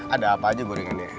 ada apa aja gue ingin ya